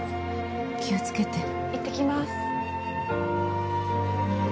気をつけていってきます